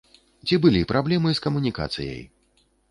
Ці былі праблемы з камунікацыяй?